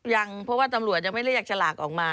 ยังเพราะว่าตำรวจยังไม่เรียกฉลากออกมา